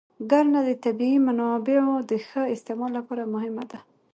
کرنه د طبیعي منابعو د ښه استعمال لپاره مهمه ده.